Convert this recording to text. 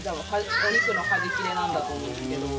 お肉のはじ切れなんだと思うんですけど。